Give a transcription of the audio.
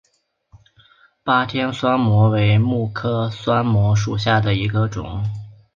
巴天酸模为蓼科酸模属下的一个种。